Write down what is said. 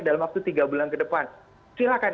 dalam waktu tiga bulan ke depan silahkan